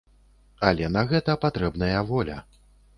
Але на гэта патрэбная воля.